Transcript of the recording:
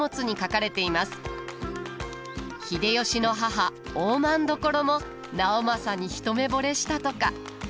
秀吉の母大政所も直政に一目ぼれしたとか。